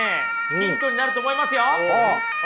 ヒントになると思いますよ。